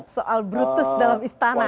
soal brutus dalam istana